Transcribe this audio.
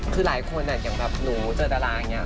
คือหลายคนอย่างแบบหนูเจอดาราอย่างนี้